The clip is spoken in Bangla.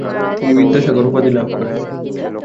তিনি বিদ্যাসাগর উপাধি লাভ করেন।